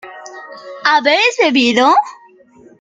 ¿habías bebido?